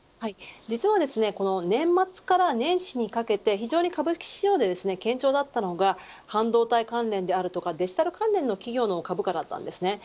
実は年末から年始にかけて非常に株式市場で堅調だったのが半導体関連であるとかデジタル関連の企業の株価だったんです。